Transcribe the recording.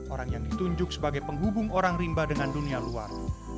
orang yang ditunjuk sebagai penghubung orang rimba dengan dunia luar